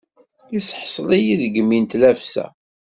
Iseḥṣel-iyi deg imi n tlafsa.